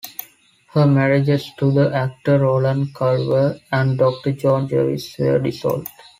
Her marriages to the actor Roland Culver and Doctor John Janvrin were dissolved.